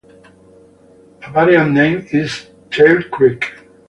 A variant name is "Tail Creek".